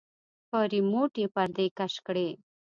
په رېموټ يې پردې کش کړې.